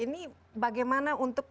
ini bagaimana untuk luar biasa